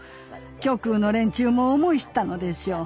極右の連中も思い知ったのでしょう。